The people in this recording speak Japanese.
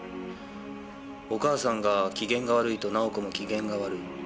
お母さんが機嫌が悪いと奈緒子も機嫌が悪い。